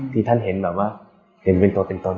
ที่ท่านเห็นแบบว่าเห็นเป็นตัวเป็นตน